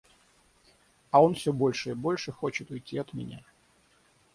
А он всё больше и больше хочет уйти от меня.